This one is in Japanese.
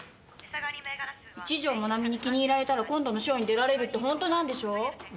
一条モナミに気に入られたら今度のショーに出られるってホントなんでしょう？